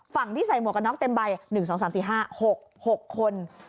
ฝั่งที่ใส่หมวกกันน็อกเต็มใบ๑๒๓๔๕๖๖คน